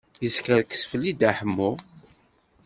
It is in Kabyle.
Yeskerkes fell-i Dda Ḥemmu.